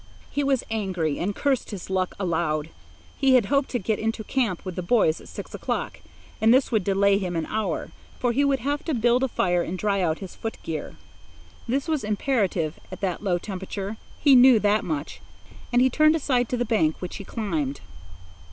He was angry, and cursed his luck aloud. He had hoped to get into camp with the boys at six o'clock, and this would delay him an hour, for he would have to build a fire and dry out his foot gear. This was imperative at that low temperature—he knew that much; and he turned aside to the bank, which he climbed.